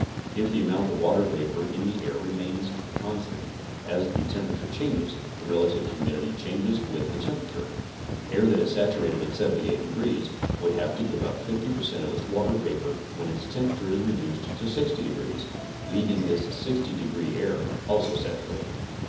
If the amount of water vapor in the air remains constant as the temperature changes, the relative humidtiy changes with the temperature. Air that is saturated at 78 degrees would have to give up 50 per cent of its water vapor when its temperature is reduced to 60 degrees, leaving this 60 degree air also saturated.